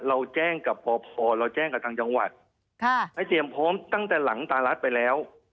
เราแจ้งกับพอเราแจ้งกับทางจังหวัดให้เตรียมพร้อมตั้งแต่หลังตารัฐไปแล้ว